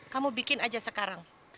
kamu bikin aja sekarang